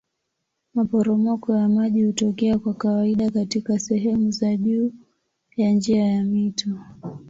Maporomoko ya maji hutokea kwa kawaida katika sehemu za juu ya njia ya mto.